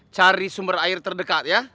cari sumber air terdekat ya